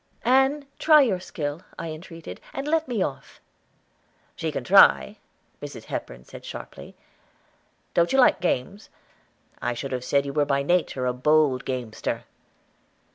"Ann, try your skill," I entreated, "and let me off." "She can try," Mrs. Hepburn said sharply. "Don't you like games? I should have said you were by nature a bold gamester."